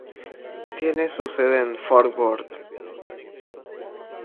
Tiene su sede en Fort Worth.